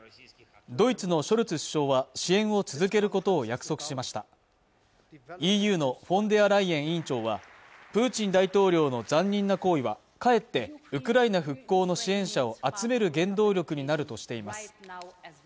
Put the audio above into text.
ドイツのショルツ首相は支援を続けることを約束しましたＥＵのフォンデアライエン委員長はプーチン大統領の残忍な行為はかえってウクライナ復興の支援者を集める原動力になるとしています